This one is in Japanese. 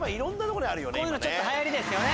こういうのちょっとはやりですよね。